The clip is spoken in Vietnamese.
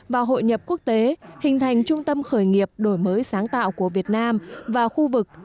và hội nhập quốc tế hình thành trung tâm khởi nghiệp đổi mới sáng tạo của việt nam và khu vực